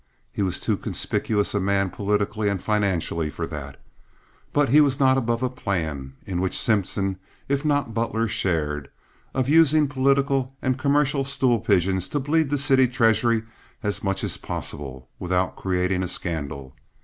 He was too conspicuous a man politically and financially for that. But he was not above a plan, in which Simpson if not Butler shared, of using political and commercial stool pigeons to bleed the city treasury as much as possible without creating a scandal.